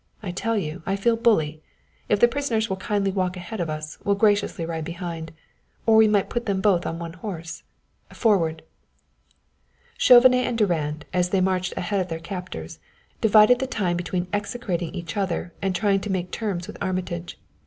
I tell you, I feel bully! If the prisoners will kindly walk ahead of us, we'll graciously ride behind. Or we might put them both on one horse! Forward!" Chauvenet and Durand, as they marched ahead of their captors, divided the time between execrating each other and trying to make terms with Armitage.